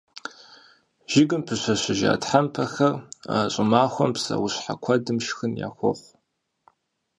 Жыгым пыщэщыжа тхьэмпэхэр щӀымахуэм псэущхьэ куэдым шхын яхуохъу.